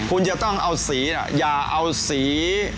คุณจะต้องเอาสี